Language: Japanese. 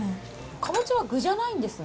かぼちゃは具じゃないんですね。